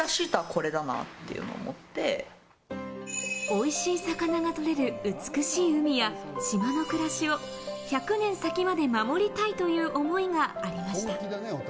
おいしい魚が取れる美しい海や島の暮らしを１００年先まで守りたいという思いがありました。